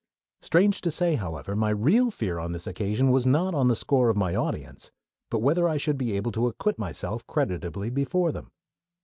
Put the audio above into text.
Strange to say, however, my real fear on this occasion was not on the score of my audience, but whether I should be able to acquit myself creditably before them.